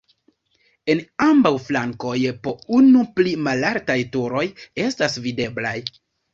En ambaŭ flankoj po unu pli malaltaj turoj estas videblaj.